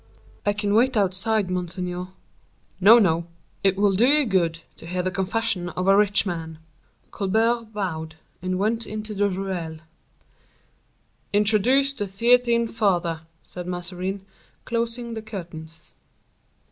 "I can wait outside, monseigneur." "No, no, it will do you good to hear the confession of a rich man." Colbert bowed and went into the ruelle. "Introduce the Theatin father," said Mazarin, closing the curtains.